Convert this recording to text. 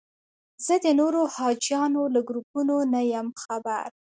زه د نورو حاجیانو له ګروپونو نه یم خبر.